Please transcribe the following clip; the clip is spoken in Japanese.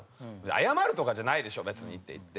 「謝るとかじゃないでしょ別に」って言って。